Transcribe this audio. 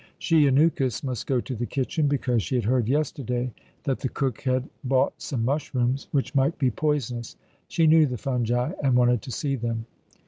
She, Anukis, must go to the kitchen, because she had heard yesterday that the cook had bought some mushrooms, which might be poisonous; she knew the fungi and wanted to see them.